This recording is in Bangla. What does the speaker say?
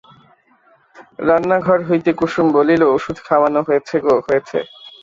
রান্নাঘর হইতে কুসুম বলিল, ওষুধ খাওয়ানো হয়েছে গো হয়েছে।